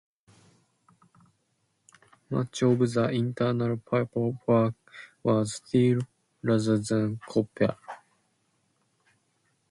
Much of the internal pipework was steel rather than copper.